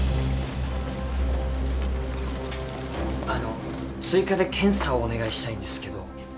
あの追加で検査をお願いしたいんですけど。